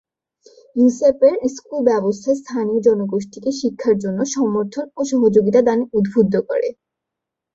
ইউসেপের school ব্যবস্থা স্থানীয় জনগোষ্ঠীকে শিক্ষার জন্য সমর্থন ও সহযোগিতা দানে উদ্বুদ্ধ করে।